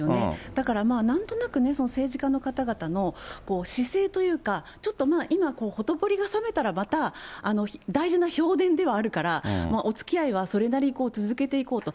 だからなんとなくね、政治家の方々の姿勢というか、ちょっとまあ、今、ほとぼりが冷めたら、また大事な票田ではあるから、おつきあいはそれなりに続けていこうと。